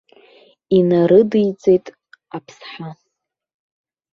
Инарыдиҵеит аԥсҳа.